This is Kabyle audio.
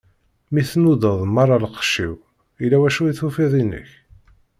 Mi tnudaḍ meṛṛa lqecc-iw, illa wacu i tufiḍ inek?